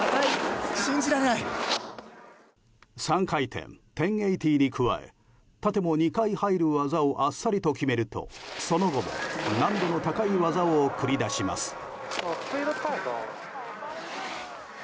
３回転、１０８０に加え縦も２回入る技をあっさりと決めるとその後も難度の高い技を繰り出します。